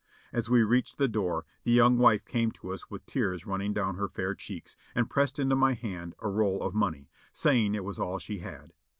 As we reached the door the young wife came to us wnth tears raining down her fair cheeks, and pressed into my hand a roll of money, saying it was all she had.